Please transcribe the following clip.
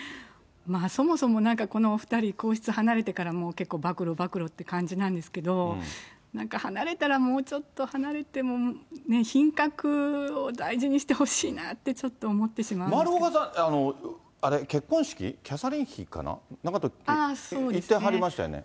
そもそもなんかこの２人、皇室離れてからも、結構、暴露、暴露って感じなんですけど、なんか離れたら、もうちょっと、離れても、品格を大事にしてほしいなって、丸岡さん、あれ、結婚式、キャサリン妃かな、なんか行ってはりましたよね。